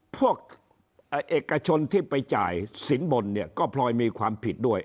พวกเอกชนที่ไปจ่ายสินบนเนี่ยก็พลอยมีความผิดด้วย